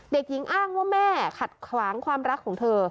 เด็กหญิงอ้างว่าแม่ขัดขวางความรักของเธอ